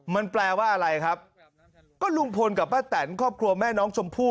มันแปลว่าอะไรครับก็ลุงพลกับป้าแตนครอบครัวแม่น้องชมพู่